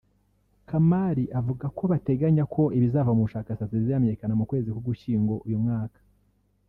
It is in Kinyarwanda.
Kamari avuga ko bateganya ko ibizava mu bushakashatsi bizamenyekana mu kwezi k’Ugushyingo uyu mwaka